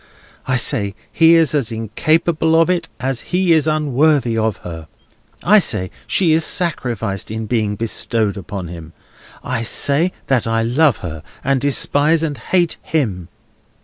I say he is as incapable of it, as he is unworthy of her. I say she is sacrificed in being bestowed upon him. I say that I love her, and despise and hate him!"